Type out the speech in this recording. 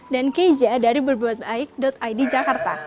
dan keja dari berbuatbaik id jakarta